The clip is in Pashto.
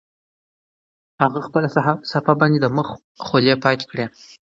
هغه په خپله صافه باندې د مخ خولې پاکې کړې.